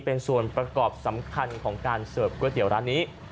เป็นส่วนประกอบสำคัญของการเสิร์ฟก๋วยเตี๋ยวร้านนี้